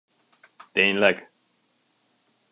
Tényleg?